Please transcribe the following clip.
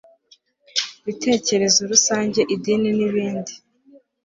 bitekerezorusange idin inibindi